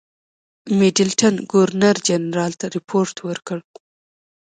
میډلټن ګورنرجنرال ته رپوټ ورکړ.